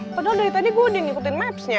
padahal dari tadi gue yang ikutin mapsnya